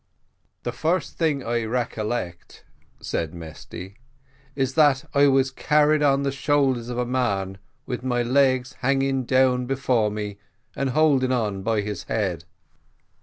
"The first thing I recollect," said Mesty, "is that I was carried on the shoulders of a man with my legs hanging down before, and holding on by his head.